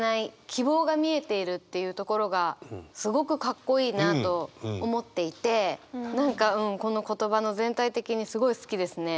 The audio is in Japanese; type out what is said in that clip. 希望が見えているっていうところがすごくかっこいいなと思っていて何かうんこの言葉の全体的にすごい好きですね。